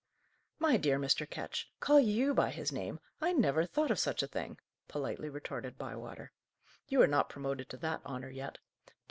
"My dear Mr. Ketch! call you by his name! I never thought of such a thing," politely retorted Bywater. "You are not promoted to that honour yet.